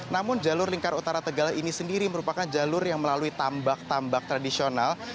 namun jalur lingkar utara tegal ini sendiri merupakan jalur yang melalui tambak tambak tradisional